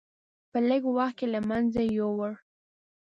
په لږ وخت کې له منځه یووړ.